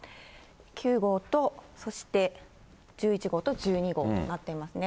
９号と、そして１１号と１２号となっていますね。